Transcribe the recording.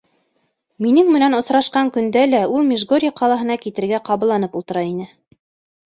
Минең менән осрашҡан көндә лә ул Межгорье ҡалаһына китергә ҡабаланып ултыра ине.